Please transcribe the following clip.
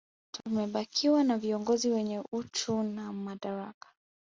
Tumebakiwa na viongozi wenye uchu na madaraka